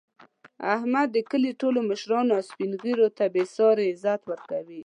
احمد د کلي ټولو مشرانو او سپین ږېرو ته بې ساري عزت ورکوي.